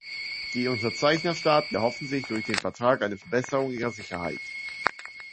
Die Unterzeichner-Staaten erhoffen sich durch den Vertrag eine Verbesserung ihrer Sicherheit.